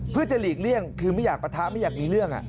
เพื่อจะหลีกเลี่ยงคือไม่อยากปะทะไม่อยากมีเรื่อง